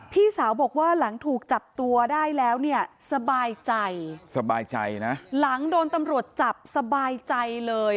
พี่สาวบอกว่าหลังถูกจับตัวได้แล้วสบายใจหลังโดนตำรวจจับสบายใจเลย